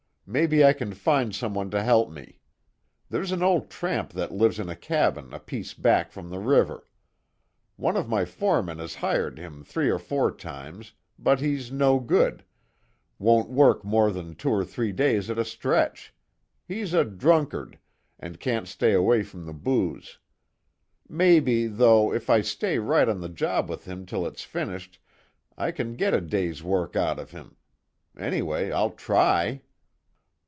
Maybe I can find someone to help me. There's an old tramp that lives in a cabin a piece back from the river. One of my foremen has hired him three or four times, but he's no good won't work more than two or three days at a stretch he's a drunkard, and can't stay away from booze. Maybe, though, if I stay right on the job with him till it's finished I can get a day's work out of him anyway I'll try."